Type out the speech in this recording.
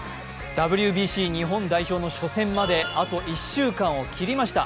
ＷＢＣ日本代表の初戦まであと１週間を切りました。